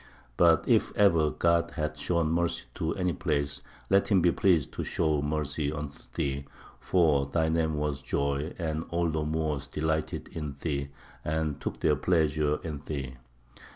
"But if ever God hath shown mercy to any place, let Him be pleased to show mercy unto thee; for thy name was joy, and all Moors delighted in thee and took their pleasure in thee.